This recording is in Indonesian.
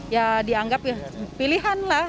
ya dianggap pilihan lah